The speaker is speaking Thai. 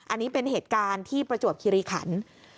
อันนี้เป็นเหตุการณ์ที่ประจวบคิริขัน